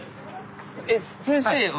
えっ先生は。